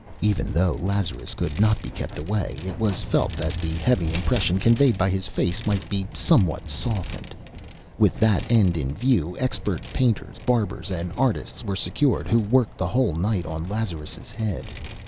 Even though Lazarus could not be kept away, it was felt that the heavy impression conveyed by his face might be somewhat softened. With that end in view expert painters, barbers and artists were secured who worked the whole night on Lazarus' head.